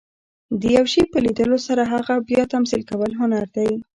د یو شي په لیدلو سره هغه بیا تمثیل کول، هنر دئ.